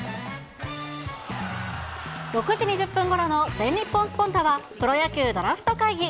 ６時２０分ごろの全日本スポンタっは、プロ野球ドラフト会議。